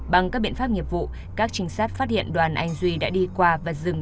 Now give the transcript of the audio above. bằng các biện pháp nghiệp vụ các trinh sát phát hiện đoàn anh duy đã đi qua và dừng